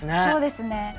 そうですね。